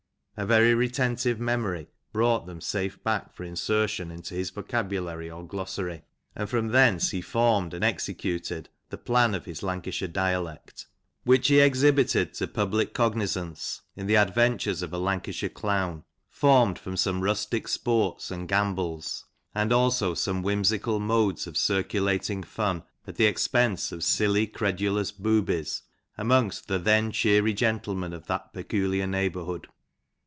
A very retentive memory brought them safe back for insertion in his vocabulary, or glossary, and from thence he formed and executed the plan of his '• Lancashire Dialect," which be exhibited to public cognizance in the ■• Adventures of a Lancashire Clown," formed from some rustic sports and gam bols, and also some whimsical modes of circulating fun at the expense of silly, credulous boobies amongst the then cheery gentlemen of that peculiar neighbourhood.